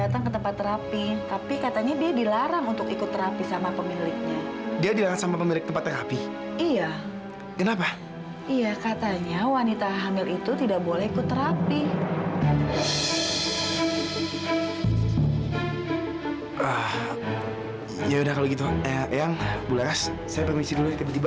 tante itu udah kotor